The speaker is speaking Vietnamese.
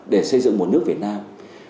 để xây dựng một nước việt nam